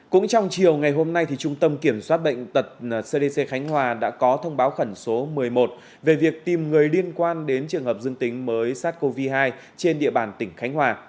cũng trong chiều ngày hôm nay trung tâm kiểm soát bệnh tật cdc khánh hòa đã có thông báo khẩn số một mươi một về việc tìm người liên quan đến trường hợp dương tính với sars cov hai trên địa bàn tỉnh khánh hòa